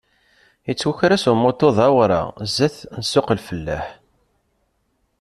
Yettwaker-as umuṭu d awraɣ zdat n ssuq-lfellaḥ.